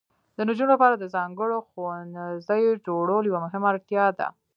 د نجونو لپاره د ځانګړو ښوونځیو جوړول یوه مهمه اړتیا ده.